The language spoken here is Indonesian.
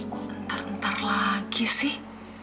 sebenernya ada apa sih